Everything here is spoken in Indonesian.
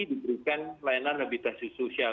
diberikan layanan levitasi sosial